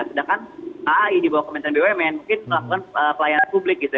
sedangkan kai di bawah kementerian bumn mungkin melakukan pelayanan publik gitu ya